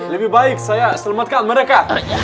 lebih baik saya selamatkan mereka